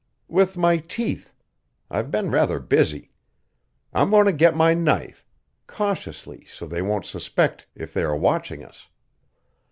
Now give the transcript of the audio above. "With my teeth. I've been rather busy. I'm going to get my knife cautiously, so they won't suspect if they are watching us.